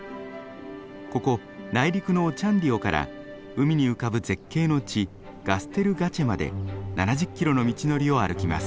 ここ内陸のオチャンディオから海に浮かぶ絶景の地ガステルガチェまで７０キロの道のりを歩きます。